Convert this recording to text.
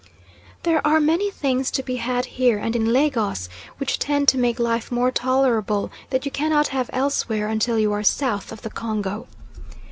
There are many things to be had here and in Lagos which tend to make life more tolerable, that you cannot have elsewhere until you are south of the Congo.